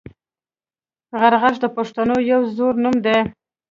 غرغښت د پښتنو یو زوړ نوم دی